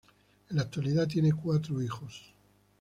En la actualidad tienen cuatro hijos.